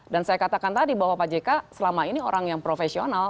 dan saya katakan tadi bahwa pak jk selama ini orang yang profesional